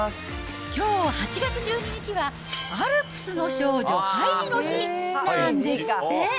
きょう８月１２日はアルプスの少女ハイジの日なんですって。